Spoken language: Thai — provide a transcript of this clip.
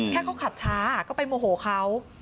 แค่เขาขับช้าก็ไปโมโหเขา